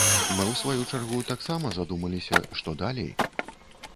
Мы, у сваю чаргу, таксама задумаліся, што далей.